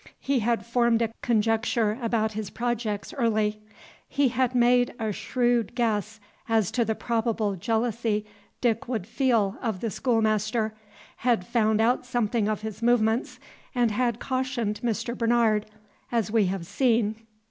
He had formed a conjecture about his projects early. He had made a shrewd guess as to the probable jealousy Dick would feel of the schoolmaster, had found out something of his movements, and had cautioned Mr. Bernard, as we have seen.